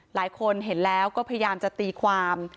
หลายคนเห็นแล้วก็พยายามจะตีความ